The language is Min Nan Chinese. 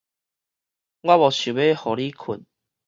我無想欲予汝睏